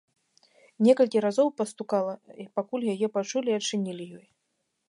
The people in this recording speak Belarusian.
Некалькі разоў пастукала, пакуль яе пачулі і адчынілі ёй.